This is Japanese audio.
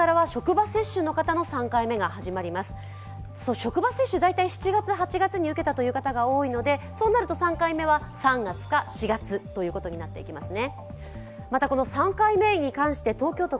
職場接種、７月８月に受けたという方が多いのでそうなると３回目は３月か４月になってきますね。